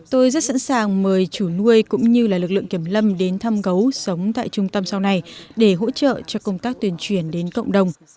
tôi rất sẵn sàng mời chủ nuôi cũng như lực lượng kiểm lâm đến thăm gấu sống tại trung tâm sau này để hỗ trợ cho công tác tuyên truyền đến cộng đồng